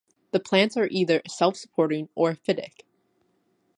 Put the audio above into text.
The plants are either self-supporting or epiphytic.